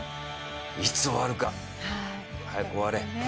いつ、終わるか早く、終われ。